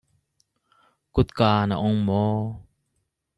Kutka na ong maw?